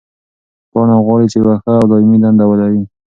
پاڼه غواړي چې یوه ښه او دایمي دنده ولري.